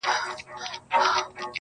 ستا په يادونو كي راتېره كړله.